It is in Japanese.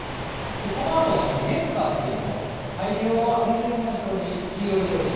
そのあとの今度、月、火、水の太平洋側、水色の表示、黄色い表示。